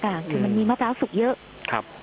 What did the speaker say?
คือมันมีมะพร้าวสุกเยอะ